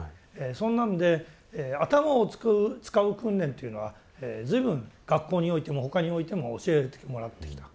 そんなんで頭を使う訓練というのは随分学校においても他においても教えてもらってきた。